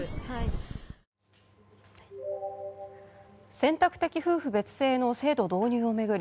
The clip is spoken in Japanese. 選択的夫婦別姓の制度導入を巡り